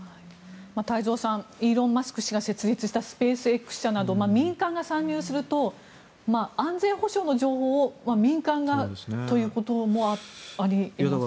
太蔵さんイーロン・マスク氏が設立したスペースＸ社など民間が参入すると安全保障の情報を民間がということもあり得ますが。